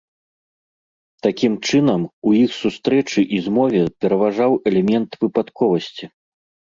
Такім чынам, у іх сустрэчы і змове пераважваў элемент выпадковасці.